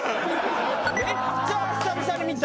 めっちゃ久々に見た。